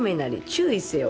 注意せよ。